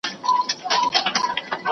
د خوند او رنګ په ډګر کې.